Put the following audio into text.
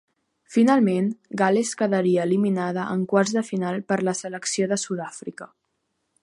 Finalment, Gal·les quedaria eliminada en quarts de final per la selecció de Sud-àfrica.